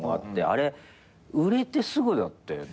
あれ売れてすぐだったよね？